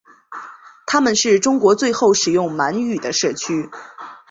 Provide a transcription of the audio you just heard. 他们是中国最后使用满语的社区。